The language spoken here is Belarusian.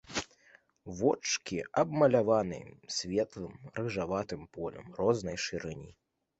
Вочкі аблямаваны светлым рыжаватым полем рознай шырыні.